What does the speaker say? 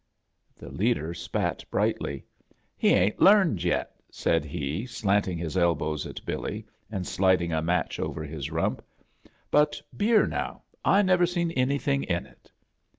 The leader spat brightly. "He 'ain't learned yet," said he, slanting his elbows at Billy and sliding a match over his rtfmp. "But beer, now — I never seen anything in it."